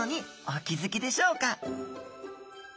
お気付きでしょうか？